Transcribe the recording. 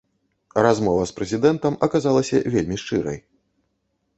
Размова з прэзідэнтам аказалася вельмі шчырай.